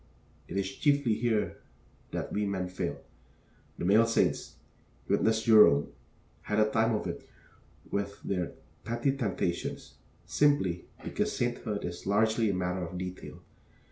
It is chiefly here that we men fail. The male saints witness Jerome had a time of it with their petty temptations, simply because sainthood is largely a matter of detail.